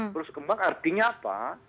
terus kembang artinya apa